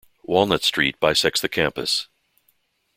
Walnut Street bisects the campus.